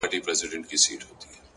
پوه انسان له حقیقت سره مینه لري.!